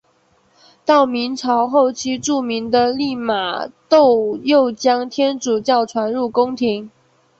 到明朝后期著名的利玛窦又将天主教传入宫廷。